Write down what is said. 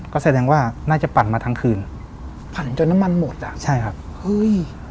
ก็แสดงว่าน่าจะปั่นมาทั้งคืนปั่นจนน้ำมันหมดอ่ะใช่ครับเฮ้ย